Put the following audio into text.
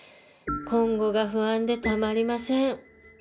今後が不安でたまりません